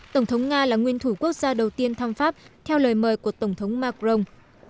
tổng thống nga là nguyên thủ quốc gia đầu tiên thăm pháp theo lời mời của tổng thống macron